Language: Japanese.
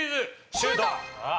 シュート！